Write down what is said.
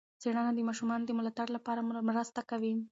څېړنه د ماشومانو د ملاتړ لپاره مرسته کوي.